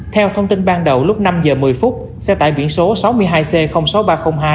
theo thông tin ban đầu lúc năm h một mươi xe tải biển số sáu mươi hai c sáu nghìn ba trăm linh hai